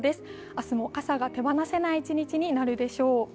明日も傘が手放せない一日になるでしょう。